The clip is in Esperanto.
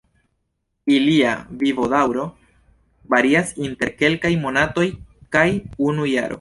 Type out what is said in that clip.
Ilia vivodaŭro varias inter kelkaj monatoj kaj unu jaro.